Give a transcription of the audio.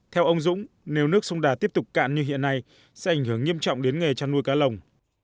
theo ông dũng nếu nước sông đà tiếp tục cạn như hiện nay sẽ ảnh hưởng nghiêm trọng đến nghề chăn nuôi cá lồng